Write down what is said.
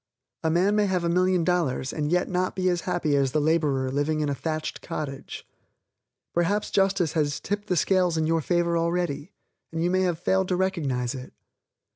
A man may have a million dollars, and yet not be as happy as the laborer living in a thatched cottage. _Perhaps Justice has tipped the scales in your favor already and you have failed to recognize it.